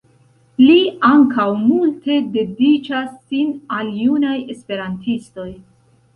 Li ankaŭ multe dediĉas sin al junaj esperantistoj.